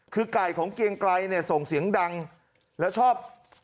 คือไก่ของเกียงไกรเนี่ยส่งเสียงดังแล้วชอบ